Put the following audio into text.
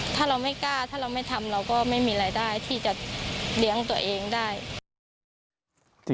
ถ้าเราไม่กล้าถ้าเราไม่ทำเราก็ไม่มีรายได้ที่จะเลี้ยงตัวเองได้